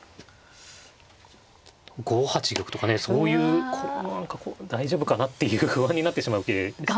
５八玉とかねそういう何かこう大丈夫かなっていう不安になってしまう受けですね。